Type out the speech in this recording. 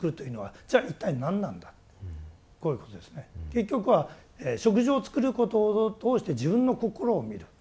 結局は食事を作ることを通して自分の心を見る。